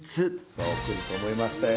そう来ると思いましたよ。